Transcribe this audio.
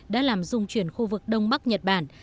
đã làm dung chuyển khu vực đông bắc nhật bản